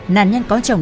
nạn nhân có chồng